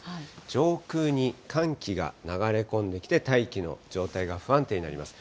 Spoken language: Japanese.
上空に寒気が流れ込んできて、大気の状態が不安定になります。